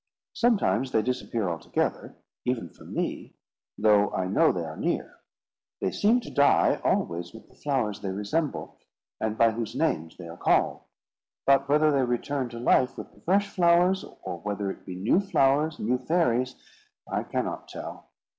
Sometimes they disappear altogether, even from me, though I know they are near. They seem to die always with the flowers they resemble, and by whose names they are called; but whether they return to life with the fresh flowers, or, whether it be new flowers, new fairies, I cannot tell.